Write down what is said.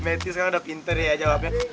matty sekarang udah pinter ya jawabnya